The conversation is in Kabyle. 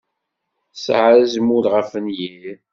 Tesɛa azmul ɣef wenyir.